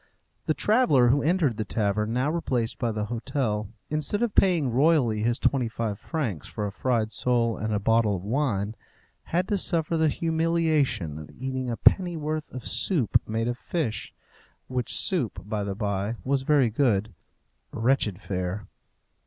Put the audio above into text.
The traveller who entered the tavern, now replaced by the hotel, instead of paying royally his twenty five francs for a fried sole and a bottle of wine, had to suffer the humiliation of eating a pennyworth of soup made of fish which soup, by the bye, was very good. Wretched fare!